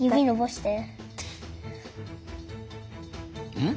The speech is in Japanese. よし！